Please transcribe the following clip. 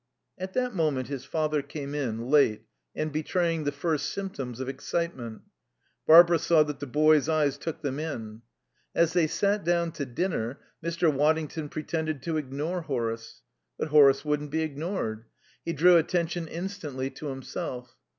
At that moment his father came in, late, and betraying the first symptoms of excitement. Barbara saw that the boy's eyes took them in. As they sat down to dinner Mr. Waddington pretended to ignore Horace. But Horace wouldn't be ignored. He drew attention instantly to himself.